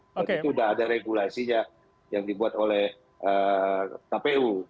itu sudah ada regulasinya yang dibuat oleh kpu